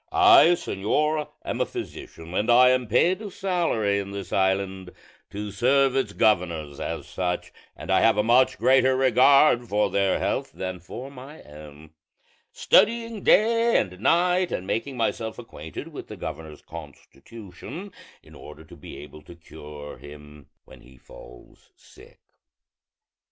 I, señor, am a physician, and I am paid a salary in this island to serve its governors as such; and I have a much greater regard for their health than for my own, studying day and night and making myself acquainted with the governor's constitution, in order to be able to cure him when he falls sick.